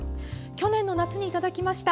去年の夏にいただきました。